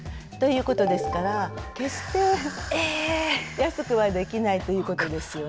安くはできないということですよね。